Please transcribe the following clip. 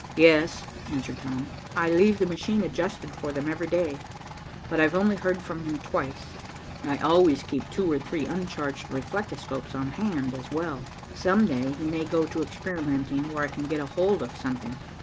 "Yes," answered Tom. "I leave the machine adjusted for them every day, but I've only heard from him twice. I always keep two or three uncharged reflectoscopes on hand, as well. Some day he may go to experimenting where I can get hold of something."